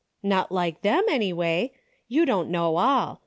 " Hot like them, any way. You don't know all.